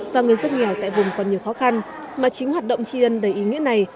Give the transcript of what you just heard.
và người dân nghèo tại vùng còn nhiều khó khăn mà chính hoạt động tri ân đầy ý nghĩa này